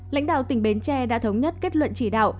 lãnh đạo tỉnh bến tre đã thống nhất kết luận chỉ đạo